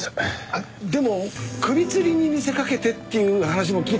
あっでも首つりに見せかけてっていう話も聞いた事があるんですけど。